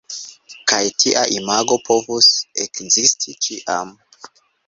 Kaj tia imago povus ekzisti ĉiam.